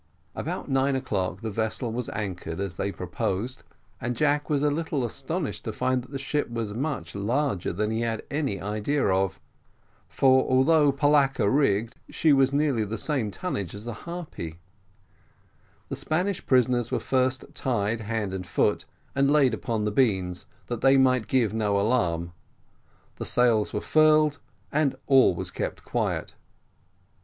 About nine o'clock the vessel was anchored as they proposed, and Jack was a little astonished to find that the ship was much larger that he had any idea of; for, although polacca rigged, she was nearly the same tonnage as the Harpy. The Spanish prisoners were first tied hand and foot, and laid upon the beans, that they might give no alarm, the sails were furled, and all was kept quiet.